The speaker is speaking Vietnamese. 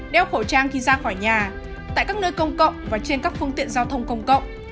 đeo khẩu trang khi ra khỏi nhà tại các nơi công cộng và trên các phương tiện giao thông công cộng